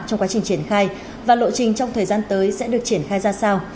trong quá trình triển khai và lộ trình trong thời gian tới sẽ được triển khai ra sao